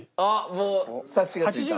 もう察しがついた？